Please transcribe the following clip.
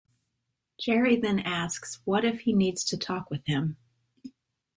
Jerry then asks what if he needs to talk with him.